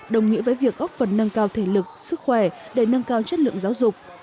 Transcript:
để nâng cao thị lực sức khỏe để nâng cao chất lượng giáo dục